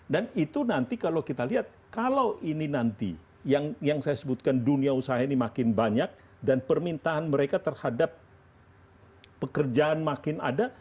dan itu nanti kalau kita lihat kalau ini nanti yang saya sebutkan dunia usaha ini makin banyak dan permintaan mereka terhadap pekerjaan makin ada